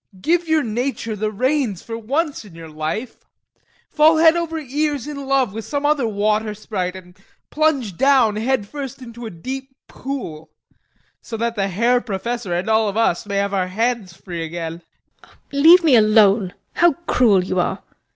Give your nature the reins for once in your life; fall head over ears in love with some other water sprite and plunge down head first into a deep pool, so that the Herr Professor and all of us may have our hands free again. HELENA. [Angrily] Leave me alone! How cruel you are!